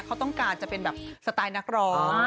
พี่กำลังจะเป็นสไตล์นักรอง